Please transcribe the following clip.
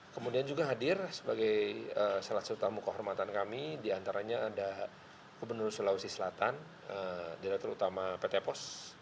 kemudian juga hadir sebagai salah satu tamu kehormatan kami diantaranya ada gubernur sulawesi selatan direktur utama pt pos